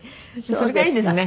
それがいいですね。